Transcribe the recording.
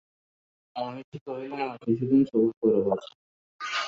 মহিষী কহিলেন, আর কিছুদিন সবুর করো বাছা।